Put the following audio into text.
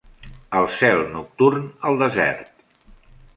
El cel nocturn al desert.